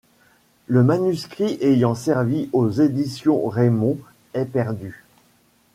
Le manuscrit ayant servi aux éditions Remón est perdu.